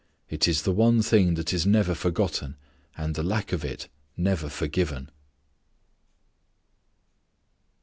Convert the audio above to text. It is the one thing that is never forgotten, and the lack of it never forgiven."